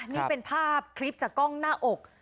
นี่เป็นภาพคลิปจากกล้องหน้าอก